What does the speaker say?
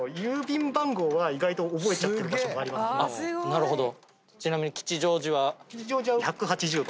なるほど。